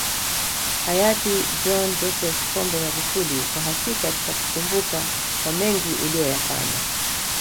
Hayati DkJohn Joseph Pombe Magufuli kwa hakika tutakukumbuka kwa mengi uliyoyafanya